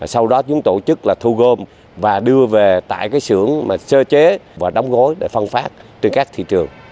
sau đó chúng tổ chức thu gom và đưa về tại sưởng sơ chế và đóng gối để phân phát trên các thị trường